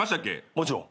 もちろん。